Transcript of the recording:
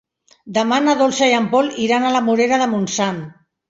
Demà na Dolça i en Pol iran a la Morera de Montsant.